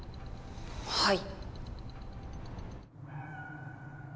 はい。